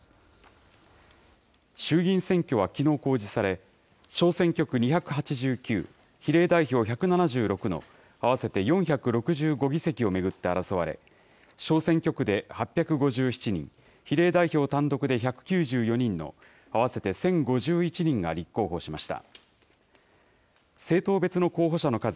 衆議院選挙はきのう公示され、小選挙区２８９、比例代表１７６の、合わせて４６５議席を巡って争われ、小選挙区で８５７人、比例代表単独で１９４人の、合わせて１０５１人が立候補しました。